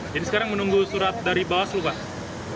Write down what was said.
jadi sekarang menunggu surat dari bawaslu pak